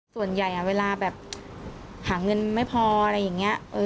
ส่วนใหญ่เวลาแบบหาเงินไม่พออะไรอย่างนี้